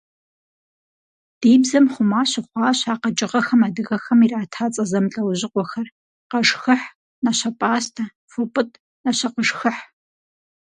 Ди бзэм хъума щыхъуащ а къэкӀыгъэхэм адыгэхэм ирата цӀэ зэмылӀэужьыгъуэхэр: къэшхыхь, нащэпӀастэ, фопӀытӀ, нащэкъэшхыхь.